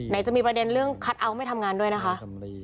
จะมีประเด็นเรื่องคัทเอาท์ไม่ทำงานด้วยนะคะ